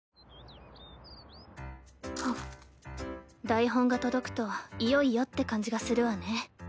台本が届くといよいよって感じがするわね。